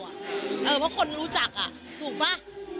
เพราะคนรู้จักถูกป่ะ